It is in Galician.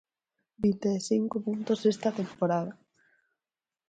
Vinte e cinco puntos esta temporada.